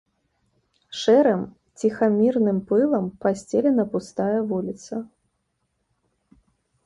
Шэрым ціхамірным пылам пасцелена пустая вуліца.